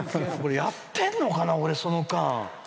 やってんのかな、俺、その間。